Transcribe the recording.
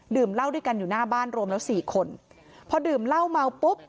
เหล้าด้วยกันอยู่หน้าบ้านรวมแล้วสี่คนพอดื่มเหล้าเมาปุ๊บ